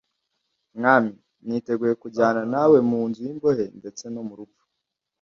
Mwami, niteguye kujyana na we mu nzu y’imbohe ndetse no mu rupfu